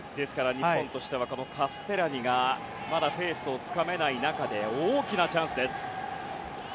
日本としてはカステラニがまだペースをつかめない中で大きなチャンスです。